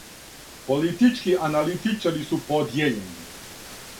Политички аналитичари су подијељени.